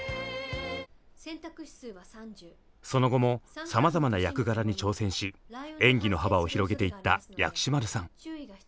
その後もさまざまな役柄に挑戦し演技の幅を広げていった薬師丸さん。